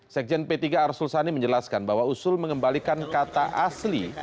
sekjen p tiga arsul sani menjelaskan bahwa usul mengembalikan kata asli